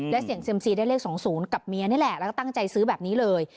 แล้วเสียงเซ็มซีได้เลขสองศูนย์กับเมียนี่แหละแล้วก็ตั้งใจซื้อแบบนี้เลย